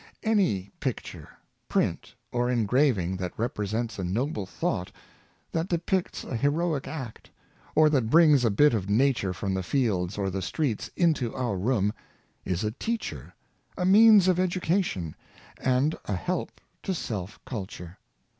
Any picture, print or engraving that represents a no ble thought, that depicts a heroic act, or that brings a bit of nature from the fields or the streets into our room, is a teacher, a means of education, and a help to self culture.